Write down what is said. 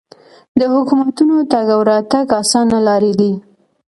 د حکومتونو تګ او راتګ اسانه لارې دي.